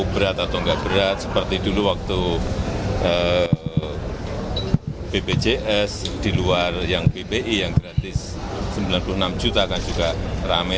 berat atau enggak berat seperti dulu waktu bpjs di luar yang bpi yang gratis sembilan puluh enam juta kan juga rame